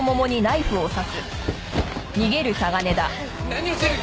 何をしてる！